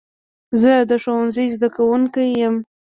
زه د ښوونځي زده کوونکی یم.